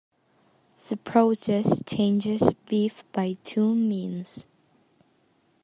The process changes beef by two means.